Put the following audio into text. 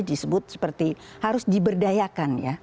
disebut seperti harus diberdayakan ya